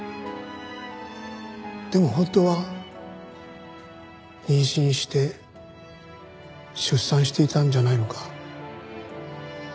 でも本当は妊娠して出産していたんじゃないのか？